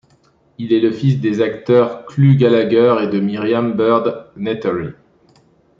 Il est le fils des acteurs Clu Gulager et de Miriam Byrd Nethery.